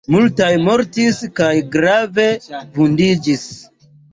Multaj mortis kaj grave vundiĝis.